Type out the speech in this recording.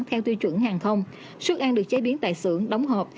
theo tuy chuẩn hàng không xuất ăn được chế biến tại xưởng đóng hộp